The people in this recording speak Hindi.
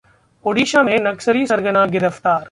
ओडिशा में नक्सली सरगना गिरफ्तार